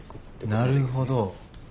なるほど。